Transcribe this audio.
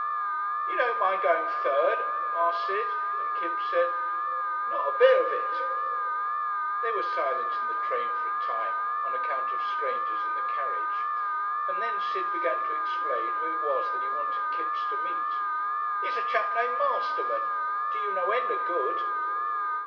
"You don't mind going third?" asked Sid, and Kipps said, "Nort a bit of it." They were silent in the train for a time, on account of strangers in the carriage, and then Sid began to explain who it was that he wanted Kipps to meet. "It's a chap named Masterman do you no end of good.